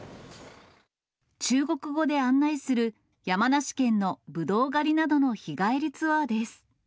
中国語で案内する山梨県のぶどう狩りなどの日帰りツアーです。